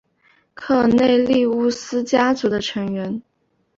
科尔内利乌斯家族的成员。